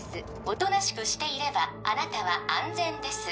おとなしくしていればあなたは安全です